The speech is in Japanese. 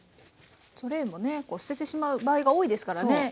トレイもね捨ててしまう場合が多いですからね。